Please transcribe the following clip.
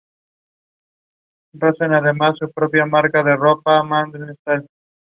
Ha dado lugar a numerosos topónimos y es un apellido muy común.